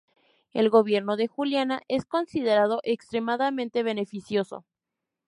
El gobierno de Juliana es considerado extremadamente beneficioso.